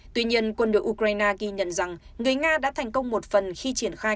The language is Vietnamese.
tuy nhiên quân đội ukraine ghi nhận rằng người nga đã thành công một phần khi triển khai